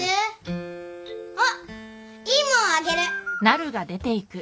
あっいいもんあげる。